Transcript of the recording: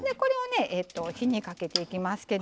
火にかけていきます。